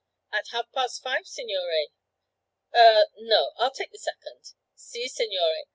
'At half past five, signore.' 'Er no I'll take the second.' 'Si, signore.